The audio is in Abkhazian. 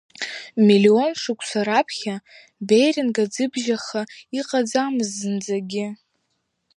Миллион шықәса раԥхьа, Беринг аӡыбжьаха иҟаӡамызт зынӡагьы.